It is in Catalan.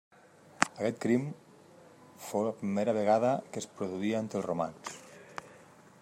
Aquest crim fou la primera vegada que es produïa entre els romans.